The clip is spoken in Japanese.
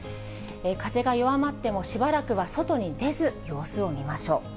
風が弱まっても、しばらくは外に出ず、様子を見ましょう。